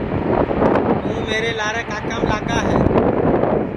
توں میرے لارے کاکام لاگا ہے